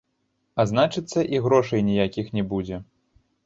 А значыцца, і грошай ніякіх не будзе.